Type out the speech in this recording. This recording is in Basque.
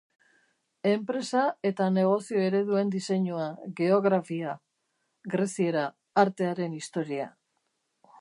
Enpresa eta Negozio Ereduen Diseinua, Geografia, Greziera, Artearen Historia.